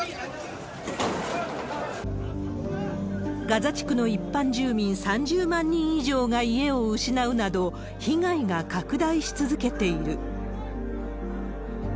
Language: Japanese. ガザ地区の一般住民３０万人以上が家を失うなど、被害が拡大し続けている。